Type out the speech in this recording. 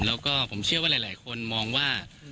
แล้วก็ผมเชื่อว่าหลายคนมองว่า